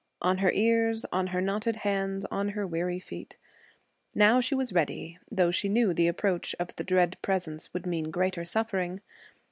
on her ears, on her knotted hands, on her weary feet. Now she was ready, though she knew the approach of the dread presence would mean greater suffering.